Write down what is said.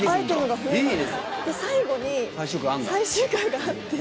最後に。